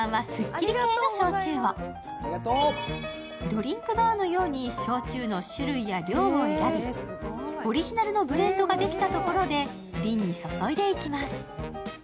ドリンクバーのように焼酎の種類や量を選び、オリジナルのブレンドができたところで瓶に注いでいきます。